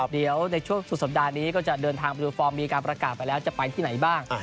เดี๋ยวในช่วงสุดสัปดาห์นี้ก็จะเดินทางไปดูฟอร์มมีการประกาศไปแล้วจะไปที่ไหนบ้าง